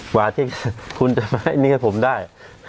กว่าที่คุณจะมาให้นี่กับผมได้